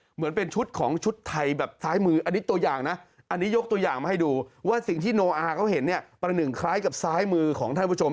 เหมือนเป็นชุดของชุดไทยแบบซ้ายมืออันนี้ตัวอย่างนะอันนี้ยกตัวอย่างมาให้ดูว่าสิ่งที่โนอาเขาเห็นเนี่ยประหนึ่งคล้ายกับซ้ายมือของท่านผู้ชม